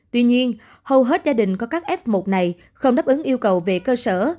tuy nhiên hầu hết gia đình có các f một này không đáp ứng yêu cầu về cơ sở